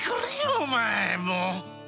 お前、もう。